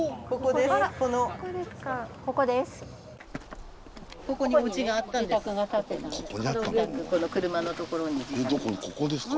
ここですか？